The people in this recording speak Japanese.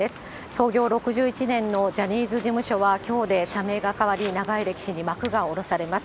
創業６１年のジャニーズ事務所は、きょうで社名が変わり、長い歴史に幕が下ろされます。